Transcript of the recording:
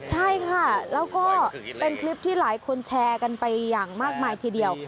ใช่ค่ะแล้วก็เป็นคลิปที่หลายคนแชร์กันไปอย่างมากมายทีเดียว